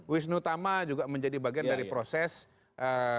wisnu tama juga menjadi bagian dari proses iya iya